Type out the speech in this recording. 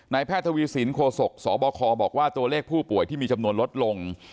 แพทย์ทวีสินโคศกสบคบอกว่าตัวเลขผู้ป่วยที่มีจำนวนลดลง